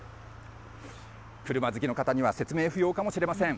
車好きの方には説明不要かもしれません。